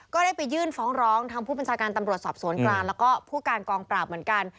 ก็ได้ไปยื่นฟ้องร้องทางผู้บัญชาการตำรวจสอบสวนกลางแล้วก็ผู้การกองปราบเหมือนกัน